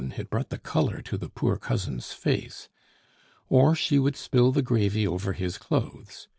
it brought the color to the poor cousin's face); or she would spill the gravy over his clothes.